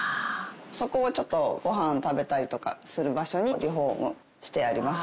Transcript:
そこをちょっとご飯食べたりとかする場所にリフォームしてあります。